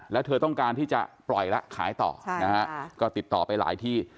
แล้วเธอต้องการที่จะปล่อยแล้วขายต่อนะฮะก็ติดต่อไปหลายที่